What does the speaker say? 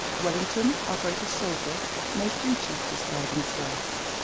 Wellington, our greatest soldier, made duty his guiding star.